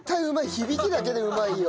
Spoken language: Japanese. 響きだけでうまいよ。